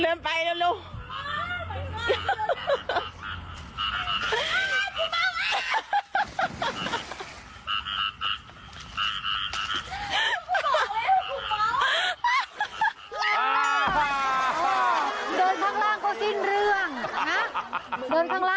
เริ่มไปเร็ว